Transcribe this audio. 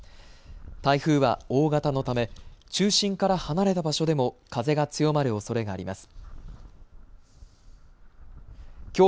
台風は大型のため中心から離れた場所でも風が強まるおそれがあります。